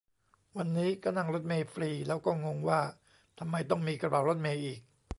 วันนี้ก็นั่งรถเมล์ฟรี แล้วก็งงว่าทำไมต้องมีกระเป๋ารถเมล์อีก